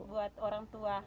buat orang tua